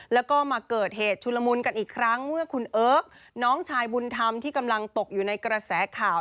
แล้วก็มาเกิดเหตุชุลมุนกันอีกครั้งเมื่อคุณเอิร์กน้องชายบุญธรรมที่กำลังตกอยู่ในกระแสข่าว